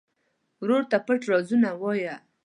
ورور ته پټ رازونه وایې.